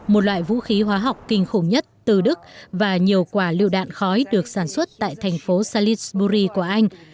một loại vũ khí hóa học kinh khủng nhất từ đức và nhiều quả liệu đạn khói được sản xuất tại thành phố salisbury của anh